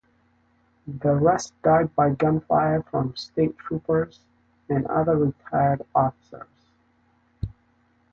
The rest died by gunfire from state troopers and other retired officers.